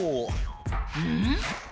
うん？